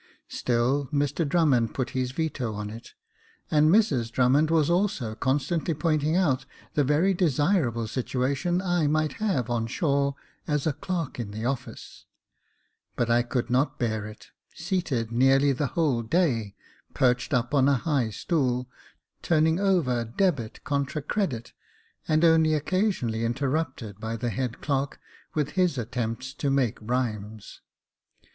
Still Mr Drummond put his veto on it, and Mrs Drummond was also constantly pointing out the very desirable situation I might have on shore as a clerk in the office ; but I could not bear it — seated nearly the whole day — perched up on a high stool — turning over Dr., contra Cr., and only occasion ally interrupted by the head clerk, with his attempt to make rhymes.